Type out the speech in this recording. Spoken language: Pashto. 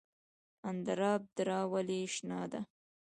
اندراب دره ولې شنه ده؟